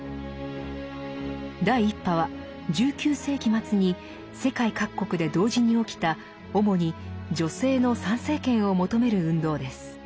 第一波は１９世紀末に世界各国で同時に起きた主に女性の参政権を求める運動です。